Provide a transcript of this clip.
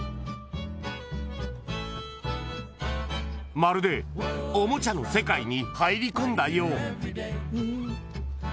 ［まるでおもちゃの世界に入り込んだよう］